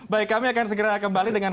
baik kami akan segera kembali dengan